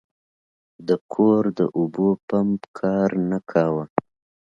د کور د اوبو پمپ کار نه کاوه.